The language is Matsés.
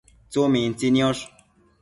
tsumintsi niosh